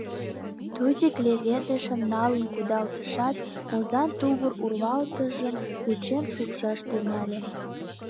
Тузик леведышым налын кудалтышат, озан тувыр урвалтыжым кучен шупшаш тӱҥале.